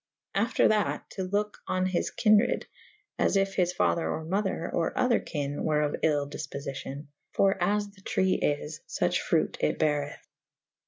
After that to loke on his kynred / as yf his father or mother or other kynne were of yll difpoficion / for as the tre is : fuche fruite it berethe.